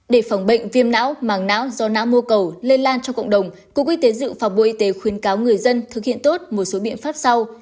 để phòng bệnh viêm não màng não do não mô cầu lây lan trong cộng đồng cục y tế dự phòng bộ y tế khuyến cáo người dân thực hiện tốt một số biện pháp sau